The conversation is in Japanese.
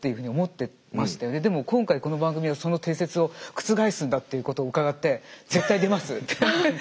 でも今回この番組はその定説を覆すんだっていうことを伺って「絶対出ます」って。